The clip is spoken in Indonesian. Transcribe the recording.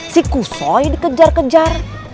si kusoy dikejar kejar